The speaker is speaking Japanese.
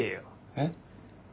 えっ？